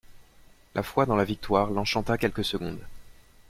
La foi dans la victoire l'enchanta quelques secondes.